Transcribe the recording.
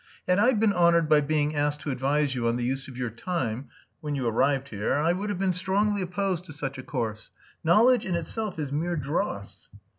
Had I been honoured by being asked to advise you on the use of your time when you arrived here I would have been strongly opposed to such a course. Knowledge in itself is mere dross."